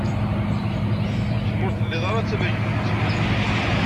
Kemm ur tellid ara d tamagnut.